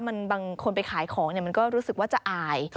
บางคนไปขายของมันก็รู้สึกว่าจะอาย